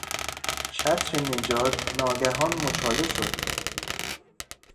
چتر نجات ناگهان مچاله شد.